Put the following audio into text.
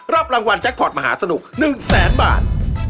รับรางวัลแจ็คพอร์ตมหาสนุก๑แสนบาท